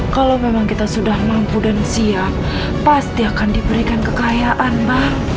kalau memang kita sudah mampu dan siap pasti akan diberikan kekayaan baru